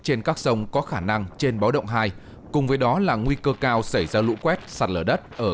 trên các sông có khả năng trên báo động hai cùng với đó là nguy cơ cao xảy ra lũ quét sạt lở đất ở